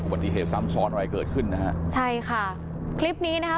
ปฏิเหตุซ้ำซ้อนอะไรเกิดขึ้นนะฮะใช่ค่ะคลิปนี้นะคะ